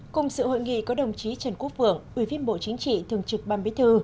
cùng sự hội nghị có đồng chí trần quốc vượng ủy viên bộ chính trị thường trực ban bí thư